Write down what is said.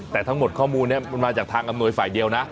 แต่ทั้งหมดข้อมูลนี้มันมาจากทางอำนวยฝ่ายเดียวนะ